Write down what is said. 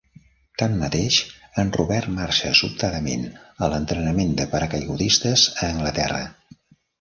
Tanmateix, en Rober marxa sobtadament a l'entrenament de paracaigudistes a Anglaterra.